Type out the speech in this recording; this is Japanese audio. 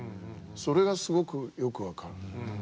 それがすごくよく分かる。